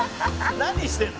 何してんの？